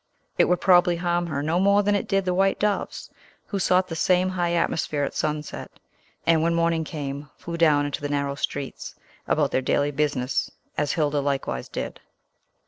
It would probably harm her no more than it did the white doves, who sought the same high atmosphere at sunset, and, when morning came, flew down into the narrow streets, about their daily business, as Hilda likewise did.